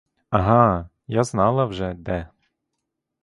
Ага, я знала вже, де!